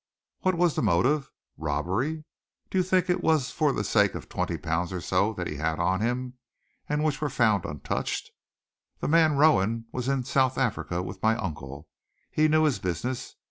What was the motive? Robbery! Do you think that it was for the sake of the twenty pounds or so that he had on him, and which were found untouched? The man Rowan was in South Africa with my uncle, he knew his business.